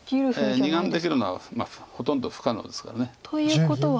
２眼できるのはほとんど不可能ですから。ということは。